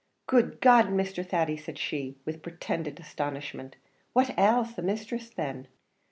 "Good God! Mr. Thady," said she, with pretended astonishment, "what ails the misthress then?"